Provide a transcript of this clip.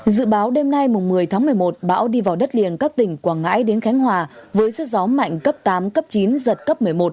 dự báo đêm nay một mươi tháng một mươi một bão đi vào đất liền các tỉnh quảng ngãi đến khánh hòa với sức gió mạnh cấp tám cấp chín giật cấp một mươi một